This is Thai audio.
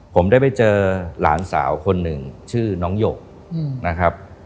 ผมได้ไปเจอหลานสาวคนหนึ่งชื่อน้องหยกนะครับ